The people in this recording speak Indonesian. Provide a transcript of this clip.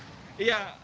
terima kasih pak ketut